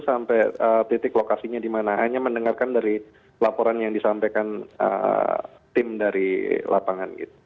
sampai titik lokasinya di mana hanya mendengarkan dari laporan yang disampaikan tim dari lapangan